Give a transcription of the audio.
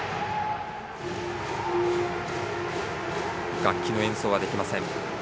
楽器の演奏はできません。